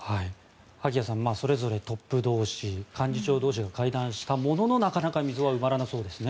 萩谷さんそれぞれトップ同士幹事長同士が会談したもののなかなか溝は埋まらなそうですね。